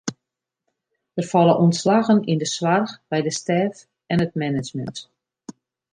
Der falle ûntslaggen yn de soarch, by de stêf en it management.